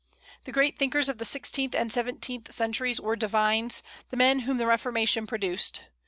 The great thinkers of the sixteenth and seventeenth centuries were divines, the men whom the Reformation produced.